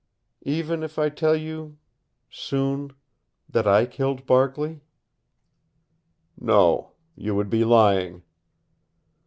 "Even if I tell you soon that I killed Barkley?" "No. You would be lying."